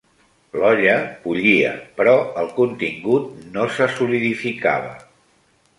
L'olla bullia però el contingut no se solidificava.